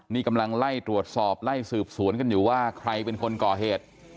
นี่กำลังไล่ตรวจสอบไล่สืบสวนกันอยู่ว่าใครเป็นคนก่อเหตุ